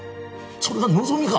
それが望みか？